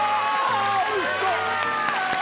おいしそう！